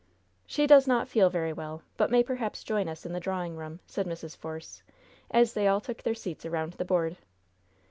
"She does not feel very well, but may perhaps join us in the drawing room," said Mrs. Force, as they all took their seats around the board.